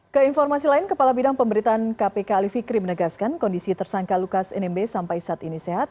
keinformasi lain kepala bidang pemberitaan kpk ali fikri menegaskan kondisi tersangka lukas nmb sampai saat ini sehat